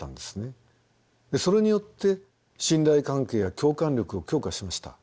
それによって信頼関係や共感力を強化しました。